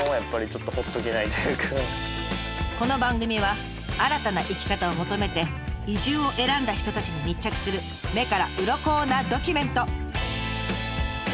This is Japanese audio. この番組は新たな生き方を求めて移住を選んだ人たちに密着する目からうろこなドキュメント。